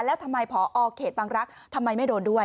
แล้วทำไมผอเขตบางรักษ์ทำไมไม่โดนด้วย